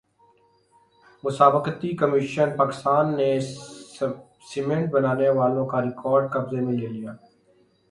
مسابقتی کمیشن پاکستان نے سیمنٹ بنانے والوں کا ریکارڈ قبضے میں لے لیا